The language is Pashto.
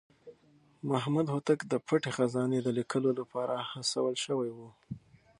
محمد هوتک د پټې خزانې د ليکلو لپاره هڅول شوی و.